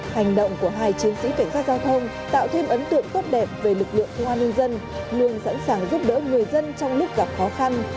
hành động của hai chiến sĩ cảnh sát giao thông tạo thêm ấn tượng tốt đẹp về lực lượng công an nhân dân luôn sẵn sàng giúp đỡ người dân trong lúc gặp khó khăn